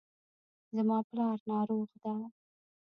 زما پلار روغ ده